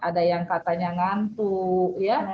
ada yang katanya ngantuk